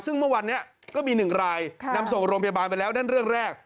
ซึ่งเมื่อวานนี้ก็มี๑รายนำส่งโรงพยาบาลไปแล้วนั่นเรื่องแรก